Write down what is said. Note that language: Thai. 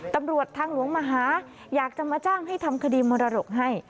ตำรวจทางหลวงมาหาอยากจะมาจ้างให้ทำคดีมรดกให้